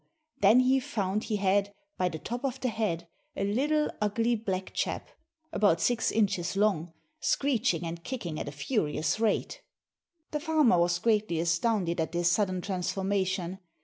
then he found he had, by the top of the head, a little ugly black chap, about six inches long, screeching and kicking at a furious rate. The farmer was greatly astounded at this sudden transformation.